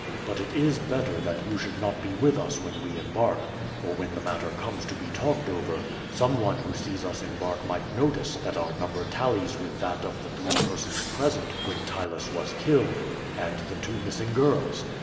But it is better that you should not be with us when we embark; for when the matter comes to be talked over, some one who sees us embark might notice that our number tallies with that of the three persons present when Ptylus was killed, and the two missing girls.